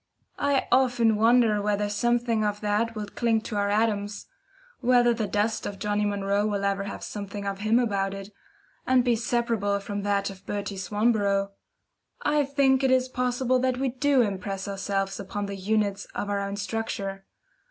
I often wonder whether something of that wilt cling to our atoms whether the dust of Johnnie Munro will ever have something of him about it, and be separable from that of Bertie Swanborough. I think it is possible that we DO impress ourselves upon the units of our own structure.